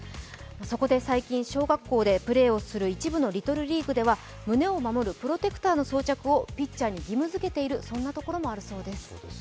そこで最近、小学校でプレーをする一部のリトルリーグでは、胸を守るプロテクターの装着をピッチャーに義務づけている、そんなところもあるそうです。